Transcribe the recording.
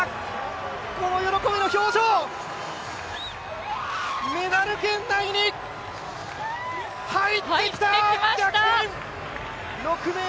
この喜びの表情、メダル圏内に入ってきた！